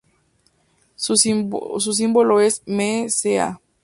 Su símbolo es m.c.a.